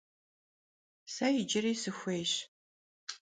Se yicıri sıxuêyş.